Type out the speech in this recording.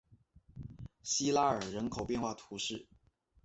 西拉尔人口变化图示